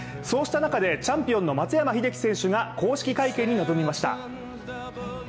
そうした中でチャンピオンの松山英樹選手が公式会見に臨みました。